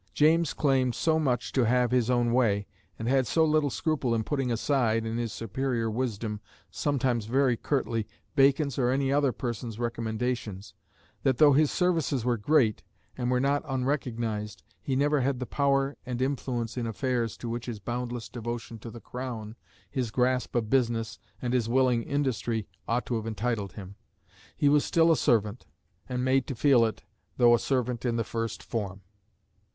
James claimed so much to have his own way, and had so little scruple in putting aside, in his superior wisdom, sometimes very curtly, Bacon's or any other person's recommendations, that though his services were great, and were not unrecognised, he never had the power and influence in affairs to which his boundless devotion to the Crown, his grasp of business, and his willing industry, ought to have entitled him. He was still a servant, and made to feel it, though a servant in the "first form."